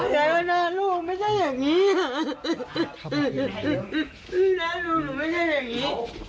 ใครว่าหน้าลูกไม่ใช่อย่างนี้อ่ะหน้าลูกหนูไม่ใช่อย่างนี้